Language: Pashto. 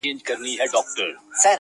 د درد پېټی دي را نیم کړه چي یې واخلم-